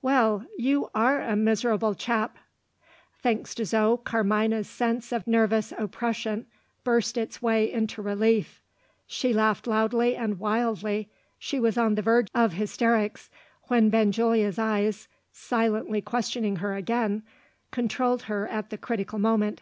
"Well, you are a miserable chap!" Thanks to Zo, Carmina's sense of nervous oppression burst its way into relief. She laughed loudly and wildly she was on the verge of hysterics, when Benjulia's eyes, silently questioning her again, controlled her at the critical moment.